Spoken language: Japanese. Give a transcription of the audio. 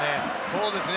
そうですね。